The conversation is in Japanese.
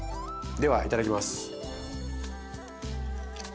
ではいただきます。